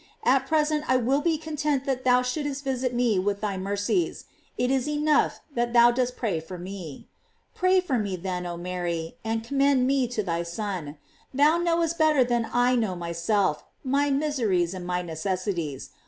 At present I will be content that thou shouldst visit me with thy mercies. It is enough that thou dost pray for me. Pray for me then oh Mary, and commend me to thy Son. Thou knowest better than now myself, my miseries and my necessities.